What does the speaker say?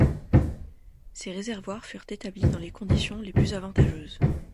Ces réservoirs furent établis dans les conditions les plus avantageuses.